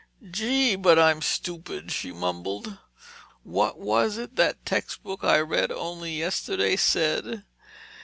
"Gee, but I'm stupid!" she mumbled. "What was it that text book I read only yesterday said?